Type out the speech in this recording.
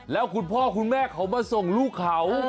แล้วคุณพ่อคุณแม่เขามาส่งลูกเขา